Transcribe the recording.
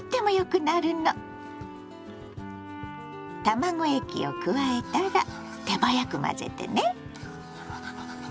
卵液を加えたら手早く混ぜてね。